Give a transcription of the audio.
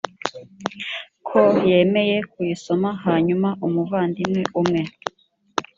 ko yemeye kuyisoma hanyuma umuvandimwe umwe